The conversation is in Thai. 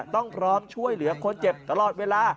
ต้องพร้อมช่วยเหลือคนเจ็บตลอดเวลา